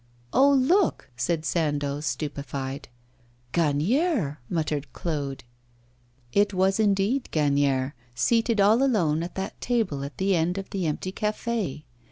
'Oh, look!' said Sandoz, stupefied. 'Gagnière!' muttered Claude. It was indeed Gagnière, seated all alone at that table at the end of the empty café.